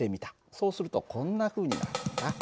そうするとこんなふうになるんだ。